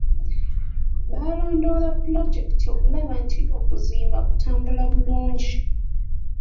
Baalondoola pulojekiti okulaba nti okuzimba kutambula bulungi.